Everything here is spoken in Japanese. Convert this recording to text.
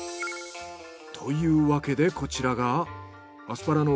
というわけでこちらが